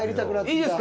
いいですか？